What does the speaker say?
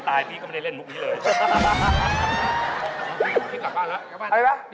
ป๊ะป๊ะป๊ะโทนโทนโทน